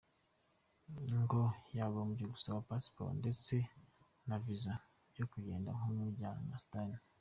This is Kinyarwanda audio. Ngo yagombye gusaba passport ndetse na Visa byo kugenda nk’umunya Sudan.